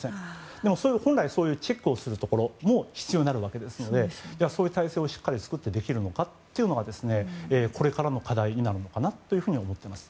でも、本来そういうチェックをするところも必要になるのでそういう体制をしっかり作ってできるのかというのがこれからの課題になるのかなと思っています。